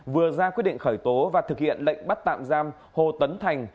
vừa ra quyết định khởi tố và thực hiện lệnh bắt tạm giam hồ tấn thành